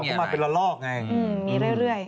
มีเรื่อย